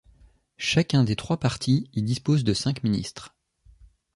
Chacun des trois partis y dispose de cinq ministres.